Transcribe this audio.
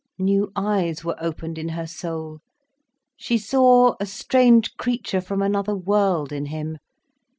New eyes were opened in her soul. She saw a strange creature from another world, in him.